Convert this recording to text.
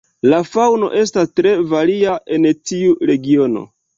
La faŭno estas tre varia en tiu regiono.